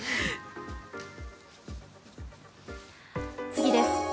次です。